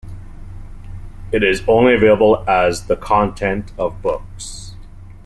It is only available as the content of books.